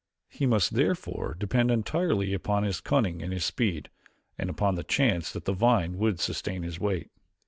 He must, therefore, depend entirely upon his cunning and his speed, and upon the chance that the vine would sustain his weight.